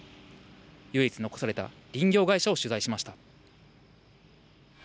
唯一残された林業会社を取材しました。